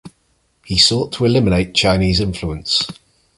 He sought to eliminate Chinese influence.